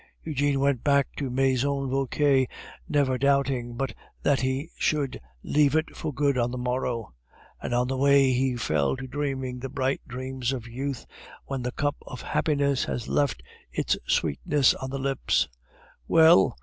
Eugene went back to the Maison Vauquer, never doubting but that he should leave it for good on the morrow; and on the way he fell to dreaming the bright dreams of youth, when the cup of happiness has left its sweetness on the lips. "Well?"